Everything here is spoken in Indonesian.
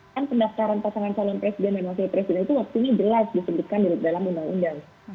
kan pendaftaran pasangan saluran presiden dan wakil presiden itu waktu ini jelas disebutkan dalam undang undang